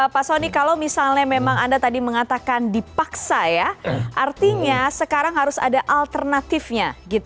pak soni kalau misalnya memang anda tadi mengatakan dipaksa ya artinya sekarang harus ada alternatifnya